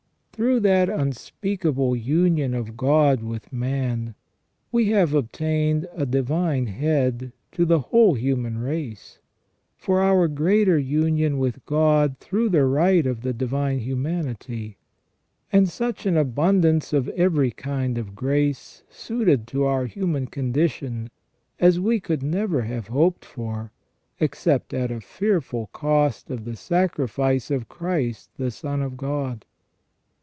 Through that unspeakable union of God with man, we have obtained a Divine Head to the whole human race, for our greater union with God through the right of the Divine Humanity, and such an abundance of every kind of grace suited to our human condition, as we could never have hoped for, except at the fearful cost of the sacrifice of Christ the Son of God.